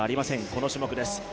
この種目です。